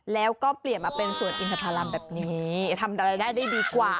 แล้วก็เปลี่ยนมาเป็นส่วนอินทภารัมแบบนี้ทำรายได้ได้ดีกว่า